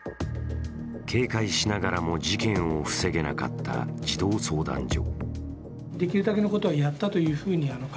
警戒しながらも事件を防げなかった児童相談所。